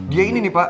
dia ini nih pak